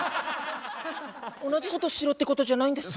同じことしろってことじゃないんですか？